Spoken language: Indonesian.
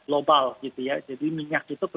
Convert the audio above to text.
global gitu ya jadi minyak itu